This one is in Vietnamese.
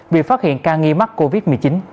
việc phát hiện ca nghi mắc covid một mươi chín